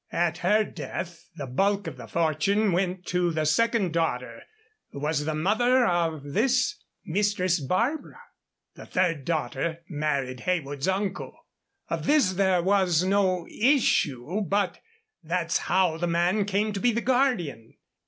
At her death the bulk of the fortune went to the second daughter, who was the mother of this Mistress Barbara. The third daughter married Heywood's uncle. Of this there was no issue, but that's how the man came to be the guardian."